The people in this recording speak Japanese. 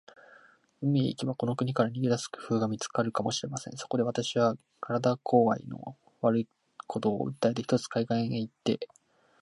海へ行けば、この国から逃げ出す工夫が見つかるかもしれません。そこで、私は身体工合の悪いことを訴えて、ひとつ海岸へ行って